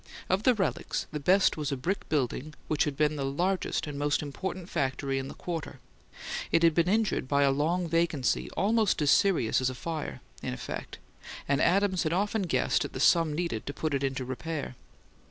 Of the relics, the best was a brick building which had been the largest and most important factory in the quarter: it had been injured by a long vacancy almost as serious as a fire, in effect, and Adams had often guessed at the sum needed to put it in repair.